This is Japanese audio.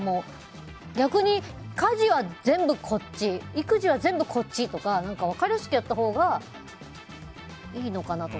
逆に家事は全部こっち育児は全部こっちとか分かりやすくやったほうがいいのかなとか。